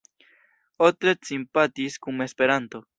Otlet simpatiis kun Esperanto.